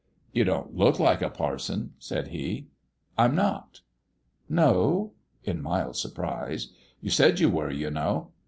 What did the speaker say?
" You don't look like a parson," said he. " I'm not." "No?" in mild surprise. "You said you were, you know